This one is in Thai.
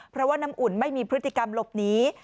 เพราะว่าน้ำอุ่นไม่มีพฤติกรรมหลบหนี